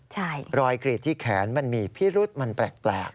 ใช่รอยกรีดที่แขนมันมีพิรุษมันแปลก